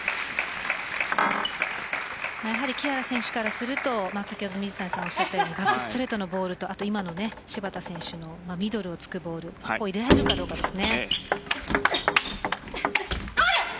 木原選手からすると先ほど水谷さんがおっしゃったようにバックストレートのボールと今の芝田選手のミドルを突くボールを入れられるかです。